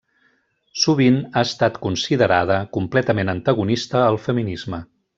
Sovint ha estat considerada completament antagonista al feminisme.